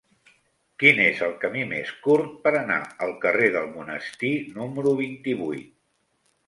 Quin és el camí més curt per anar al carrer del Monestir número vint-i-vuit?